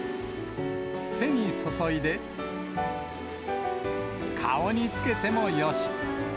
手に注いで、顔につけてもよし。